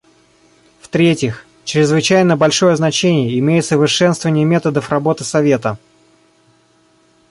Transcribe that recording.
В-третьих, чрезвычайно большое значение имеет совершенствование методов работы Совета.